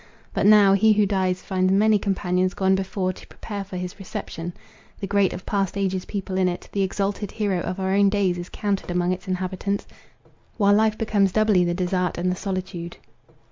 But now, he who dies finds many companions gone before to prepare for his reception. The great of past ages people it, the exalted hero of our own days is counted among its inhabitants, while life becomes doubly 'the desart and the solitude.